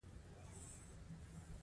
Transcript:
هغه هغې ته په درناوي د رڼا کیسه هم وکړه.